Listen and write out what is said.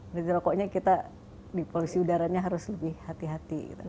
jadi rokoknya kita di polusi udaranya harus lebih hati hati